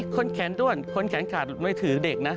แขนด้วนคนแขนขาดมือถือเด็กนะ